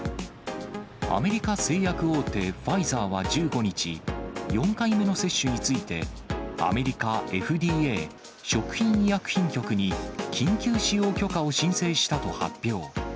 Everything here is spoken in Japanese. アメリカ製薬大手、ファイザーは１５日、４回目の接種について、アメリカＦＤＡ・食品医薬品局に緊急使用許可を申請したと発表。